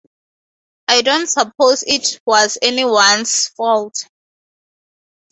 I don't suppose it was anyone's fault.